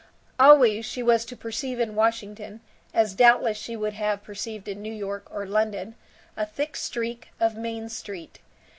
Always she was to perceive in Washington (as doubtless she would have perceived in New York or London) a thick streak of Main Street.